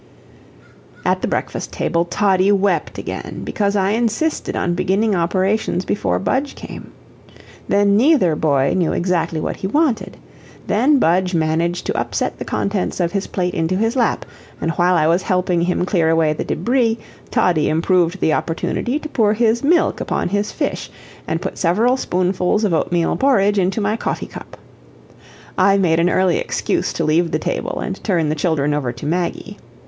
At the breakfast table Toddie wept again, because I insisted on beginning operations before Budge came. Then neither boys knew exactly what he wanted. Then Budge managed to upset the contents of his plate into his lap, and while I was helping him clear away the debris, Toddie improved the opportunity to pour his milk upon his fish, and put several spoonfuls of oatmeal porridge into my coffee cup. I made an early excuse to leave the table and turn the children over to Maggie.